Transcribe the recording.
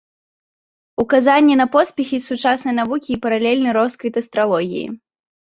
Указанне на поспехі сучаснай навукі і паралельны росквіт астралогіі.